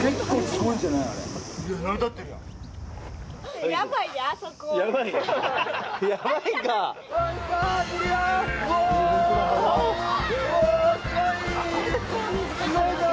すごいぞ！